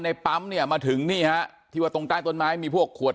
ในปั๊มเนี่ยมาถึงนี่ฮะที่ว่าตรงใต้ต้นไม้มีพวกขวด